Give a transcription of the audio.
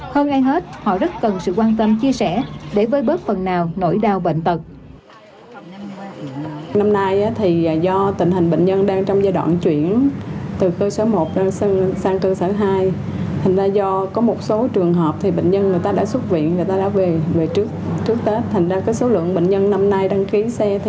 hơn ai hết họ rất cần sự quan tâm chia sẻ để với bớt phần nào nổi đau bệnh tật